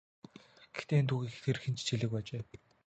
Гэхдээ энэ түүхийг тэр хэнд ч хэлээгүй ажээ.